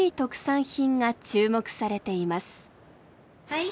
はい。